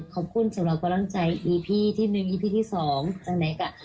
ขอบคุณสำหรับกำลังใจดีพี่ที่หนึ่งอีพี่ที่สองอันเล็กอ่ะ